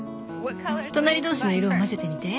隣同士の色を混ぜてみて。